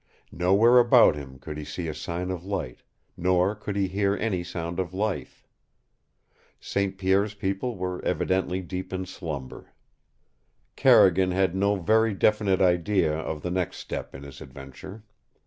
Nowhere about him could he see a sign of light, nor could he hear any sound of life. St. Pierre's people were evidently deep in slumber. Carrigan had no very definite idea of the next step in his adventure.